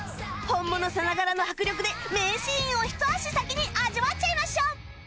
本物さながらの迫力で名シーンをひと足先に味わっちゃいましょう